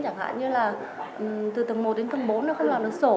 chẳng hạn như là từ tầng một đến tầng bốn là không làm được sổ